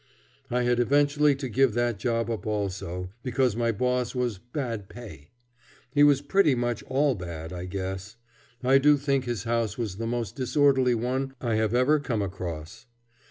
I had eventually to give that job up also, because my boss was "bad pay." He was pretty much all bad, I guess. I do think his house was the most disorderly one I have ever come across.